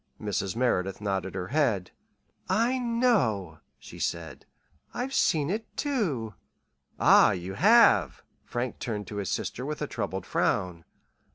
Mrs. Merideth nodded her head. "I know," she said. "I've seen it, too." "Ah, you have!" Frank turned to his sister with a troubled frown.